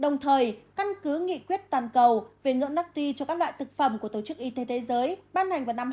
đồng thời căn cứ nghị quyết toàn cầu về ngưỡng nắc ri cho các loại thực phẩm của tổ chức y tế thế giới bán hành vào năm hai nghìn hai mươi một